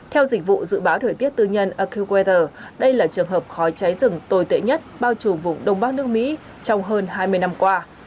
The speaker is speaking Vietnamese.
theo dịch vụ dự báo thời tiết tư nhân aquezer đây là trường hợp khói cháy rừng tồi tệ nhất bao trùm vùng đông bắc nước mỹ trong hơn hai mươi năm qua